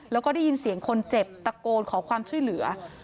แล้วก็ได้ยินเสียงคนเจ็บตะโกนขอความช่วยเหลือ